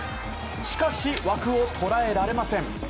しかし、枠を捉えられません。